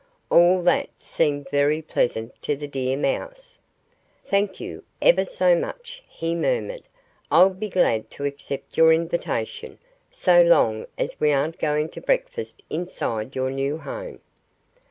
All that seemed very pleasant to the deer mouse. "Thank you ever so much!" he murmured. "I'll be glad to accept your invitation, so long as we aren't going to breakfast inside your new home."